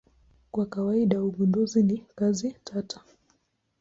Kwa kawaida ugunduzi ni kazi tata.